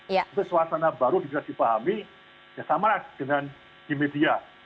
itu suasana baru bisa dipahami ya samalah dengan di media